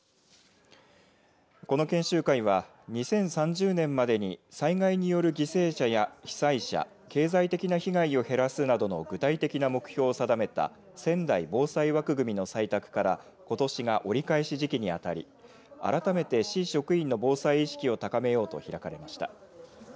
この研修会は２０３０年までに災害による犠牲者や被災者経済的な被害を減らすなどの具体的な目標を定めた仙台防災枠組の採択からことしが折り返し時期に当たり改めて市職員の防災意識を高めようと開かれました。